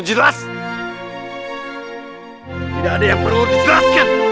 tidak ada yang perlu dijelas